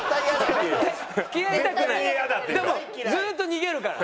でもずっと逃げるから。